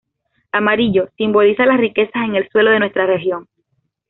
Amarillo: simboliza Las riquezas en el suelo de nuestra región.